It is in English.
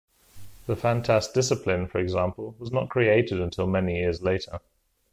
The Phantast discipline, for example, was not created until many years later.